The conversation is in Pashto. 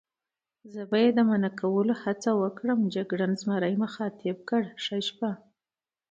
زه به یې د منع کولو هڅه وکړم، جګړن زمري مخاطب کړ: ښه شپه.